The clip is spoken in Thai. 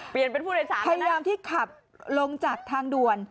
เปลี่ยนเป็นผู้โดยศาลแล้วนะค่ะพยายามที่ขับลงจากทางด่วน